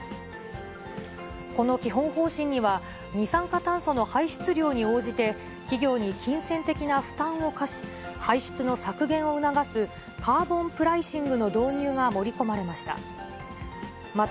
この基本方針には、二酸化炭素の排出量に応じて、企業に金銭的な負担を課し、排出の削減を促すカーボンプライシングの導入が盛り込まれました。